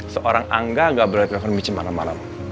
seorang angga gak boleh telepon mic malam malam